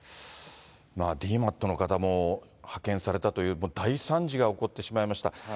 ＤＭＡＴの方も派遣されたということで、大惨事が起こってしまいました。